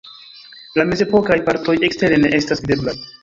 La mezepokaj partoj ekstere ne estas videblaj.